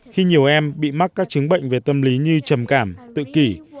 khi nhiều em bị mắc các chứng bệnh về tâm lý như trầm cảm tự kỷ